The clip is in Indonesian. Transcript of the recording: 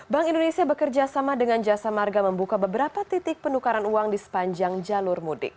bank indonesia bekerjasama dengan jasa marga membuka beberapa titik penukaran uang di sepanjang jalur mudik